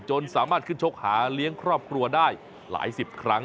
สามารถขึ้นชกหาเลี้ยงครอบครัวได้หลายสิบครั้ง